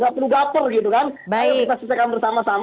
gak perlu gaper